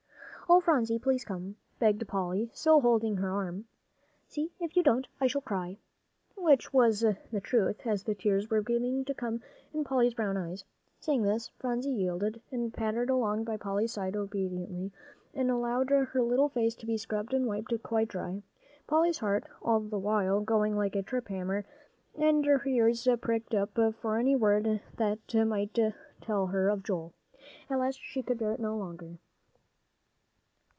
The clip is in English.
"Oh, Phronsie, please come," begged Polly, still holding her arm. "See, if you don't, I shall cry." Which was the truth as the tears were beginning to come in Polly's brown eyes. Seeing this, Phronsie yielded, and pattered along by Polly's side obediently, and allowed her little face to be scrubbed and wiped quite dry, Polly's heart all the while going like a triphammer, and her ears pricked up for any word that might tell her of Joel. At last she could bear it no longer.